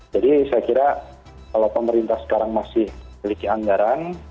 jadi saya kira kalau pemerintah sekarang masih memiliki anggaran